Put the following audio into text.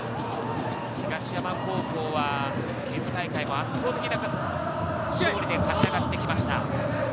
東山高校は、県大会も圧倒的な勝利で勝ち上がってきました。